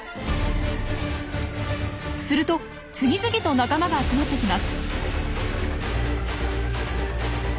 すると次々と仲間が集まってきます。